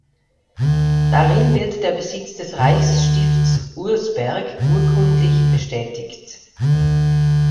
Darin wird der Besitz des Reichsstifts Ursberg urkundlich bestätigt.